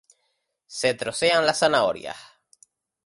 Se trocean las zanahorias.